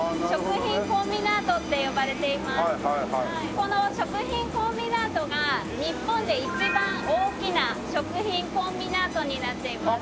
この食品コンビナートが日本で一番大きな食品コンビナートになっています。